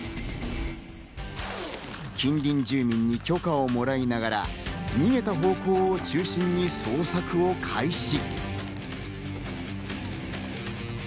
近隣住民に許可をもらいながら、逃げた方向を中心に捜索を開始。